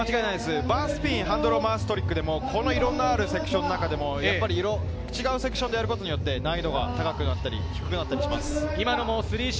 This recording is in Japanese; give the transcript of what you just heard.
バースピン、ハンドルを回すトリックでもいろんなセクションの中でも、違うセクションでやることで難易度が高くなったり、低くなったりします。